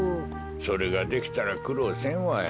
それができたらくろうせんわい。